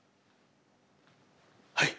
はい！